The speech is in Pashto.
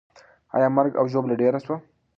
آیا مرګ او ژوبله ډېره سوه؟